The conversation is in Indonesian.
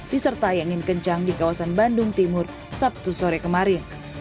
diserta yang ingin kencang di kawasan bandung timur sabtu sore kemarin